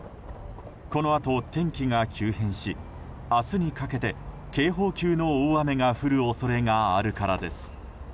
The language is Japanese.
このあと天気が急変しあすにかけて警報級の大雨が降る恐れがあるからです。